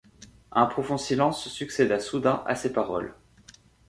Un profond silence succéda soudain à ces paroles.